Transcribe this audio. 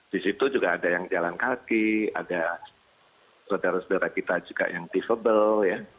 di situ juga ada yang jalan kaki ada saudara saudara kita juga yang tifabel ya